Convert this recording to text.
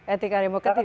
etika demokrat itu